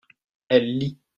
elle lit.